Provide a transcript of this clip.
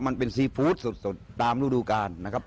มันเป็นซีฟู้ดสุดตามฤดูกาลนะครับ